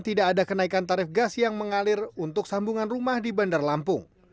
tidak ada kenaikan tarif gas yang mengalir untuk sambungan rumah di bandar lampung